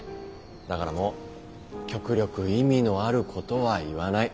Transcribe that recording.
だからもう極力意味のあることは言わない。